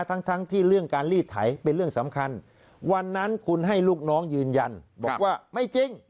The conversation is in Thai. ทั้งทั้งที่เรื่องการลีดไถเป็นเรื่องสำคัญวันนั้นคุณให้ลูกน้องยืนยันบอกว่าไม่จริง